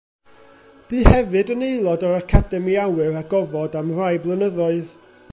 Bu hefyd yn aelod o'r Academi Awyr a Gofod am rai blynyddoedd.